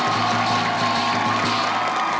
วันนี้ข้ามาขอยืมของสำคัญ